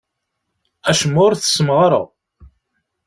Acemma ur t-ssemɣareɣ.